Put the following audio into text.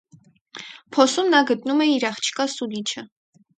Փոսում նա գտնում է իր աղջկա սուլիչը։